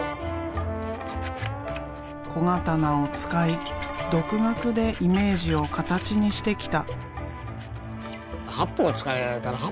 小刀を使い独学でイメージを形にしてきた。